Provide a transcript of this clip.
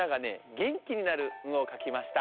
げんきになる「ん」をかきました。